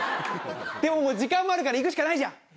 でももう時間もあるから行くしかないじゃん。